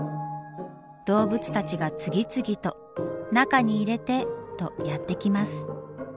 動物たちが次々と「中に入れて」とやって来ます。